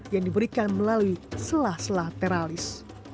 yang diberikan melalui selah selah teralis